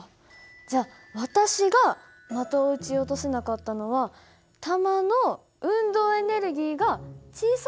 じゃあ私が的を撃ち落とせなかったのは弾の運動エネルギーが小さかったからっていえば正しいのか。